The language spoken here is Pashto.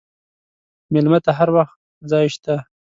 مېلمه ته هر وخت ځای شته.